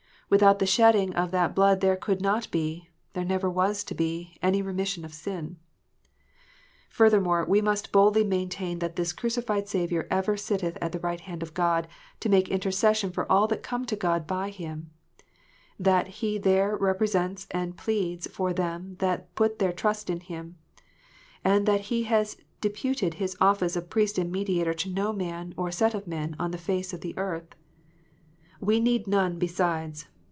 Without the shedding of that blood there could not be there never was to be^ any remission of sin. Furthermore, we must boldly maintain that this crucified Saviour ever sitteth at the right hand of God, to make inter cession for all that come to God by Him; that He there represents and pleads for them that put their trust in Him; and that He has deputed His office of Priest and Mediator to no man or set of men on the face of the earth. We need none besides.